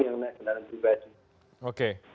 yang naik kendaraan pribadi